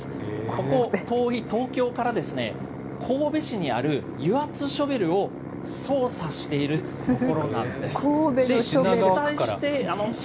ここ、遠い東京から、神戸市にある油圧ショベルを操作しているところなんです。